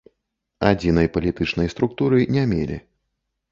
Адзінай палітычнай структуры не мелі.